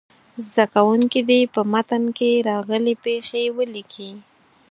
زده کوونکي دې په متن کې راغلې پيښې ولیکي.